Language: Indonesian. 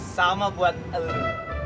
sama buat elu